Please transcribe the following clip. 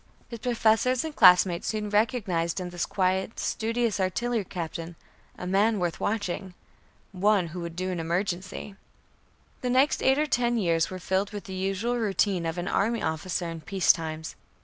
His professors and classmates soon recognized in this quiet, studious Artillery Captain a man worth watching one who would do in an emergency. The next eight or ten years were filled with the usual routine of an army officer in peace times.